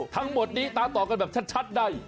ทั้งหมดนี้ตามต่อกันแบบชัดใน